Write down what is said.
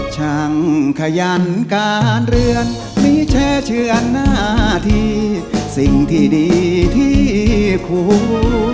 ช่างขยันการเรือนมีแชร์เชื่อนหน้าที่สิ่งที่ดีที่ควร